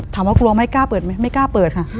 กลัวไม่กล้าเปิดไหมไม่กล้าเปิดค่ะ